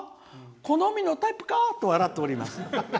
好みのタイプかと笑ってます」。